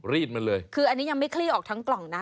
รีดมาเลยคืออันนี้ยังไม่คลี่ออกทั้งกล่องนะ